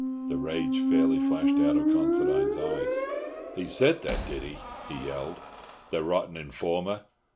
The rage fairly flashed out of Considine's eyes. "He said that, did he?" he yelled. "The rotten informer!